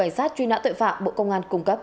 cảnh sát truy nã tội phạm bộ công an cung cấp